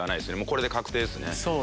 これで確定ですね。